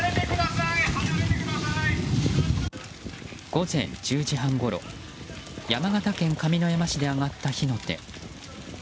午前１０時半ごろ山形県上山市で上がった火の手。